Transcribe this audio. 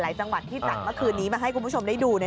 จังหวัดที่จัดเมื่อคืนนี้มาให้คุณผู้ชมได้ดู